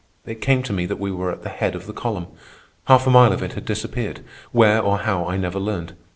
It came to me that we were at the head of the column. Half a mile of it had disappeared—where or how I never learned.